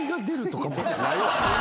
ないわ。